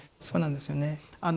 そうなんですよね。